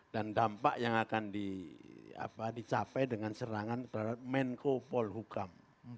dan dampak yang akan dicapai dengan serangan menko polhukam